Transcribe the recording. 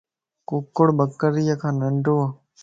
ڪُڪڙ ٻڪري کان ننڊو اَ